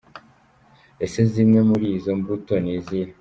Ese zimwe muri izo mbuto ni izihe?.